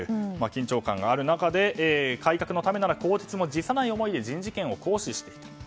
緊張感がある中で改革のためなら更迭も辞さない思いで行使したと。